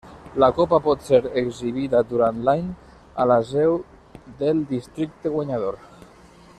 La copa pot ser exhibida durant l'any a la seu del districte guanyador.